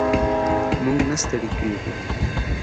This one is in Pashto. موږ نه ستړي کیږو.